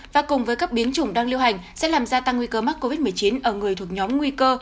và cùng với các biến chủng đang lưu hành sẽ làm gia tăng nguy cơ mắc covid một mươi chín ở người thuộc nhóm nguy cơ